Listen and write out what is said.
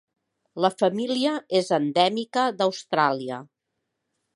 La família és endèmica d'Austràlia.